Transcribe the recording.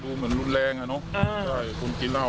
แต่ไม่มีใครกล้าวิ่งมาดูนะครับ